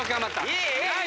いい！